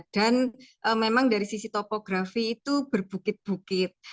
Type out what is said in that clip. dan memang dari sisi topografi itu berbukit bukit